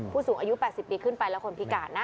ผู้สูงอายุ๘๐ปีขึ้นไปและคนพิการนะ